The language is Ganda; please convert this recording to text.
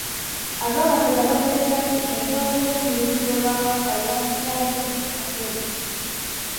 Ab'amasaza baateesezza nti engabanya y'emirimu gy'Obwakabaka yandiyambye ku nsonga ng'ezo.